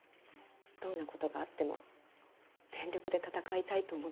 どんな事があっても全力で戦いたいと思っていました。